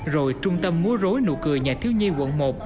rồi trung tâm múa rối nụ cười nhà thiếu nhi quận một